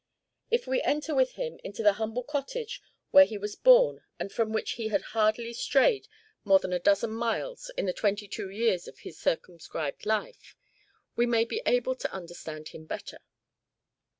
If we enter with him into the humble cottage where he was born and from which he had hardly strayed more than a dozen miles in the twenty two years of his circumscribed life, we may be able to understand him better.